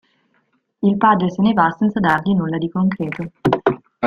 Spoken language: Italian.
Il padre se ne va senza dargli nulla di concreto.